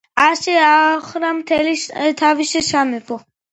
ასე ააოხრა მთელი თავისი სამეფო.